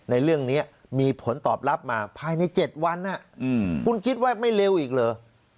ในเรื่องนี้มีผลตอบรับมาภายใน๗วันคุณคิดว่าไม่เร็วอีกเหรอ